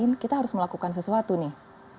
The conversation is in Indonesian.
yang lain kita harus melakukan sesuatu nih